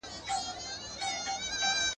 توبه لرم پر شونډو ماتوې یې او که نه